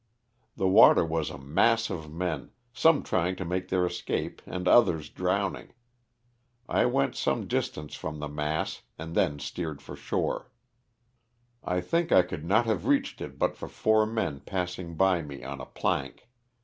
The water was a mass of men, some trying to make their escape and others drowning. •I went some distance from the mass and then steered for shore. I think I could not have reached it but for four men passing by me on a plank.